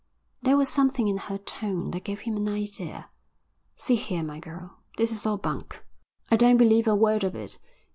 There was something in her tone that gave him an idea. "See here, my girl, this is all bunk. I don't believe a word of it.